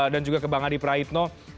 dan juga ke bang adi prayutno